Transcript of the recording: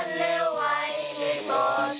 สวัสดีครับ